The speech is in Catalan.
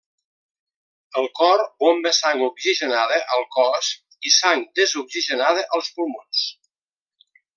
El cor bomba sang oxigenada al cos i sang desoxigenada als pulmons.